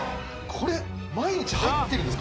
これ毎日入ってるんですか？